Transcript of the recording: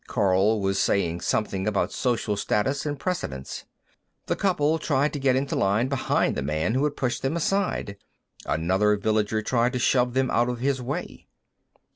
Karl was saying something about social status and precedence. The couple tried to get into line behind the man who had pushed them aside. Another villager tried to shove them out of his way.